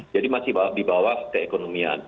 jadi masih di bawah keekonomian